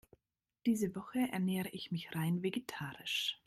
Diese Woche ernähre ich mich rein vegetarisch.